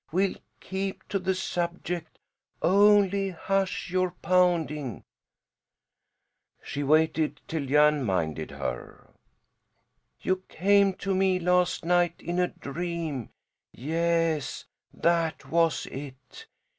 "We'll keep to the subject. Only hush your pounding!" She waited till Jan minded her. "You came to me last night in a dream yes, that was it.